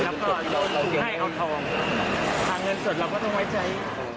ถ้าเงินสดเราก็ต้องไว้ใช้